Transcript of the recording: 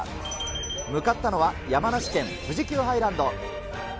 向かったのは、山梨県富士急ハイランド。